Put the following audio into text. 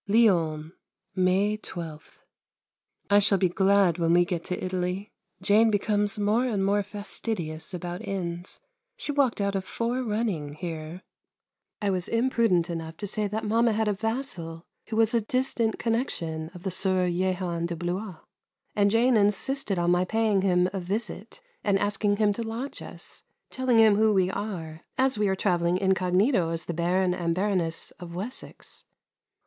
Lyons, May 12. I shall be glad when we get to Italy. Jane becomes more and more fastidious about Inns. She walked out of four running, here. I was imprudent enough to say that Mamma had a vassal who was a distant connection of the Sieur Jehan de Blois and Jane insisted on my paying him a visit and asking him to lodge us, telling him who we are, as we are travelling incognito as the Baron and Baroness of Wessex.